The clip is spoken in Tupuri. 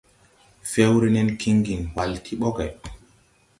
Fɛwre nen kiŋgin hwal ti ɓɔgge.